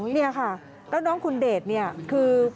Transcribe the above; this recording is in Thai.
นี่ค่ะแล้วน้องคุณเดชเนี่ยคือ